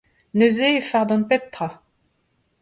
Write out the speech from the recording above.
Neuze e fardan pep tra.